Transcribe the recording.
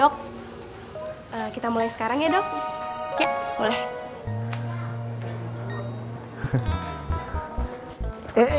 pekan indonesia sinasional